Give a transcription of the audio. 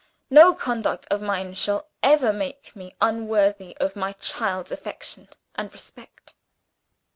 No conduct of mine shall ever make me unworthy of my child's affection and respect.